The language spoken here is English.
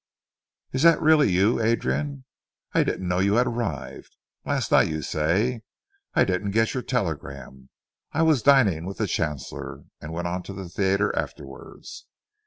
"Is that really you, Adrian? I didn't know you had arrived.... Last night you say.... I didn't get your telegram. I was dining with the Chancellor, and went on to the theatre afterwards....